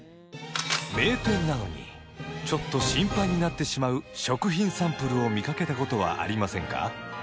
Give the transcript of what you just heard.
名店なのにちょっと心配になってしまう食品サンプルを見かけた事はありませんか？